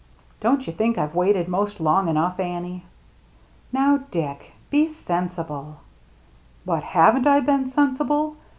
" Don't you think I've waited most long enough, Annie ?"" Now, Dick, be sensible." " But haven't I been sensible